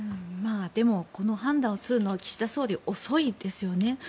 でも、この判断をするのは岸田総理、遅いですよね。